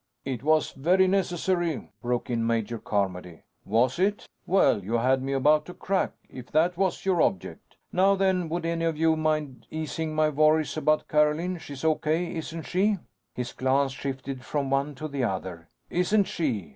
"It was very necessary," broke in Major Carmody. "Was it? Well, you had me about to crack if that was your object. Now then, would any of you mind easing my worries about Carolyn. She's O.K., isn't she?" His glance shifted from one to the other. "Isn't she?"